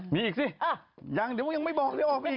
มีอีกสิยังยังไม่บอกว่าจะออกอีก